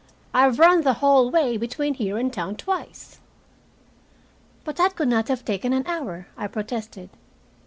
I've run the whole way between here and town twice." "But that could not have taken an hour," I protested.